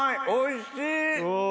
おいしい！